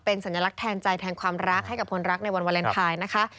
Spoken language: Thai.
สัญลักษณ์แทนใจแทนความรักให้กับคนรักในวันวาเลนไทยนะคะ